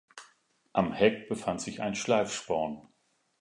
Am Heck befand sich ein Schleifsporn.